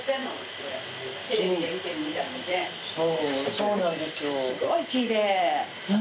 そうなんですよ。